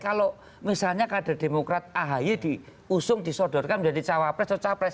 kalau misalnya kader demokrat ahy diusung disodorkan menjadi cawapres atau capres